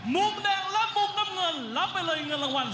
มุมแดงและมุมน้ำเงินรับไปเลยเงินรางวัล